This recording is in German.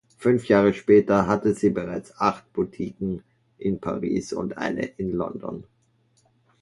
Fünf Jahre später hatte sie bereits acht Boutiquen in Paris und eine in London.